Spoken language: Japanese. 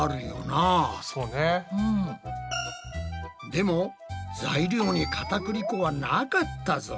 でも材料にかたくり粉はなかったぞ。